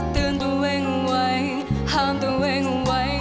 เตือนตัวเองไว้ห้ามตัวเองไว้